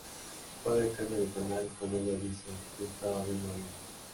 Su padre cambia de canal como ella dice, "Yo estaba viendo algo.